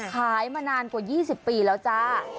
มานานกว่า๒๐ปีแล้วจ้า